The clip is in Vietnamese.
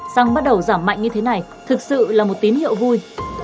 xăng bắt đầu giảm mạnh như thế này thực sự là một tín hiệu vui